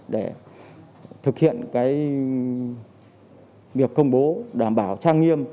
để thực hiện việc công bố đảm bảo trang nghiêm